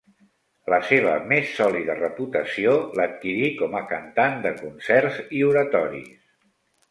La seva més sòlida reputació l'adquirí com a cantant de concerts i oratoris.